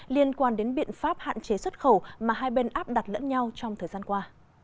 liên quan đến biện pháp hạn chế xuất khẩu mà hai bên áp đặt lẫn nhau trong thời gian qua